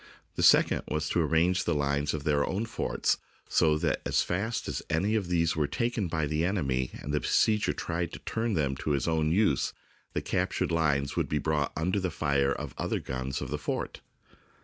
The second was to arrange the lines of their own forts so that as fast as any of these were taken by the enemy and the besieger tried to turn them to his own use, the captured lines would be brought under the fire of the other guns of the fort.